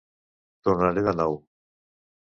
Tornaré de nou.